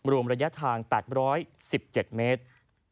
รวมระยะทาง๘๑๗เมตร